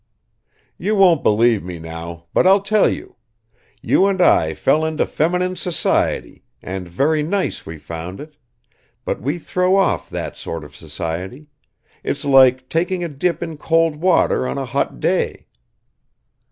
"You won't believe me now, but I'll tell you; you and I fell into feminine society and very nice we found it; but we throw off that sort of society it's like taking a dip in cold water on a hot day.